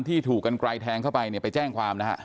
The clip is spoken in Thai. ที่ถูกกันกลายแทงเข้าไปไปแจ้งความนะฮะ